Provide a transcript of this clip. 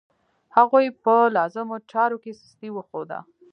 هغوی په لازمو چارو کې سستي وښوده.